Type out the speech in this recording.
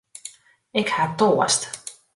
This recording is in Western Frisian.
Ik ha toarst.